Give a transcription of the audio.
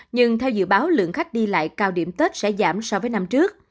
nhưng theo dự báo lượng khách đi lại cao điểm tết sẽ giảm so với năm trước